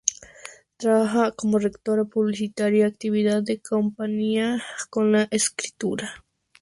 Trabaja como redactora publicitaria, actividad que compagina con la escritura.